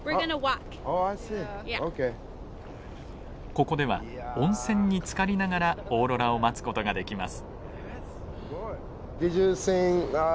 ここでは温泉につかりながらオーロラを待つ事ができます。